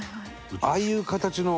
ああいう形の。